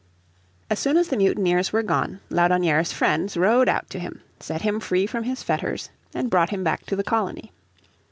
As soon as the mutineers were gone Laudonnière's friends rowed out to him, set him free from his fetters, and brought him back to the colony.